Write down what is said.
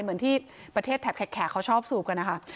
เหมือนที่ประเทศแถบแขกเขาชอบสูบกันนะคะ